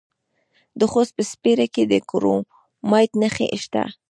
د خوست په سپیره کې د کرومایټ نښې شته.